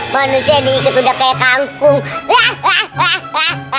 manis ini ketu kek angkoh